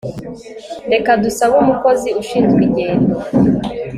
Reka dusabe umukozi ushinzwe ingendo